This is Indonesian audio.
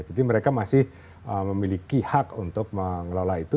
jadi mereka masih memiliki hak untuk mengelola itu